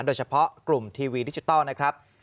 โดยเฉพาะกลุ่มทีวีดิจิทัลนะครับ